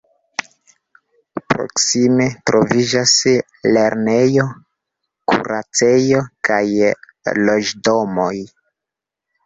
Proksime troviĝas lernejo, kuracejo kaj loĝdomoj.